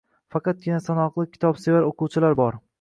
Faqatgina sanoqli kitobsevar oʻquvchilar bor.